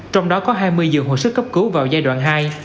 trong đó có hai mươi giường hồi sức cấp cứu vào giai đoạn hai